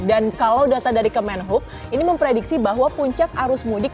dan kalau data dari kemenhub ini memprediksi bahwa puncak arus mudik